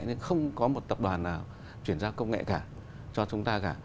nhưng không có một tập đoàn nào chuyển giao công nghệ cả cho chúng ta cả